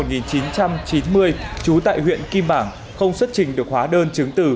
trú tại huyện kim bảng không xuất trình được hóa đơn chứng từ